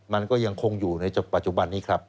มันก็ยังคงอยู่ในปัจจุบันนี้ครับ